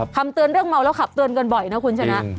คำเตือนเรื่องเมาแล้วขับเตือนกันบ่อยนะคุณชนะ